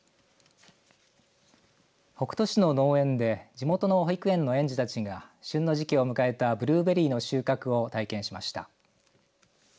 北杜市の農園で地元の保育園の園児たちが旬の時期を迎えたブルーベリーの収穫を体験しました。